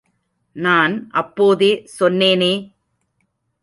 நான் அப்போதே சொன்னேனே!